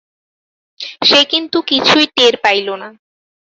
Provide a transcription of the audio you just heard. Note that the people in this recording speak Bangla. সে কিন্তু কিছুই টের পাইল না।""